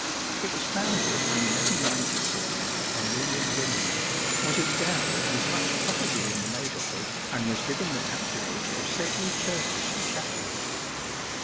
It was founded in 1 196 by William Brinier, was endowed with much property in the neighbourhood and was given the pat ronage of several churches and chapels.